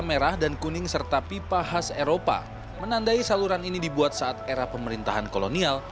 merah dan kuning serta pipa khas eropa menandai saluran ini dibuat saat era pemerintahan kolonial